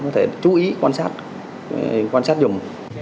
có thể chú ý quan sát quan sát dùm